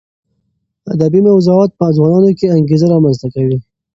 ادبي موضوعات په ځوانانو کې انګېزه رامنځته کوي.